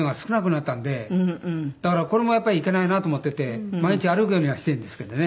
だからこれもやっぱりいけないなと思ってて毎日歩くようにはしてるんですけどね。